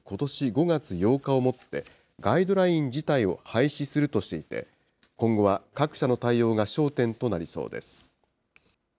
５月８日をもって、ガイドライン自体を廃止するとしていて、今後は各社の対応が焦点となりそうです。